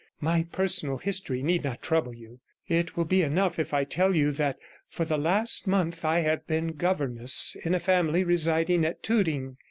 My personal history need not trouble you; it will be enough if I tell you that for the last month I have been governess in a family residing at Tooting.